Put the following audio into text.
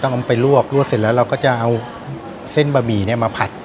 เอาไปลวกลวกเสร็จแล้วเราก็จะเอาเส้นบะหมี่เนี่ยมาผัด